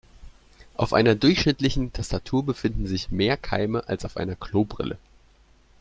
Auf einer durchschnittlichen Tastatur befinden sich mehr Keime als auf einer Klobrille.